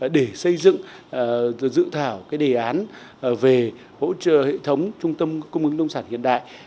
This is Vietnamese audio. để xây dựng dự thảo đề án về hỗ trợ hệ thống trung tâm cung ứng nông sản hiện đại